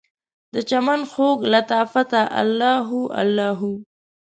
دچمن خوږ لطافته، الله هو الله هو